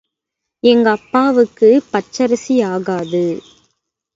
எங்கப்பாவுக்கு பச்சரிசி ஆகாது.